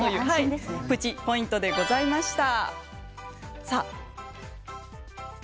プチポイントでございました。